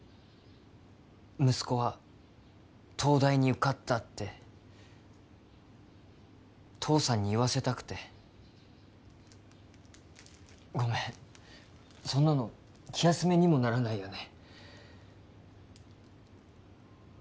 息子は東大に受かったって父さんに言わせたくてごめんそんなの気休めにもならないよね